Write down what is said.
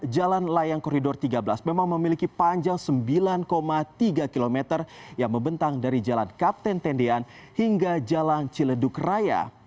jalan layang koridor tiga belas memang memiliki panjang sembilan tiga km yang membentang dari jalan kapten tendian hingga jalan ciledug raya